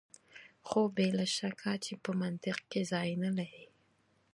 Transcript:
خو بې له شکه چې په منطق کې ځای نه لري.